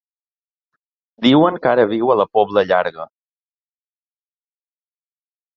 Diuen que ara viu a la Pobla Llarga.